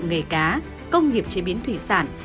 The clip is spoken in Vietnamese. nghề cá công nghiệp chế biến thủy sản